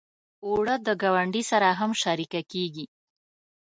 اوړه د ګاونډي سره هم شریکه کېږي